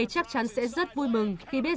chắc chắn sẽ rất vui mừng khi biết